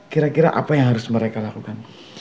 kira kira apa yang harus mereka lakukan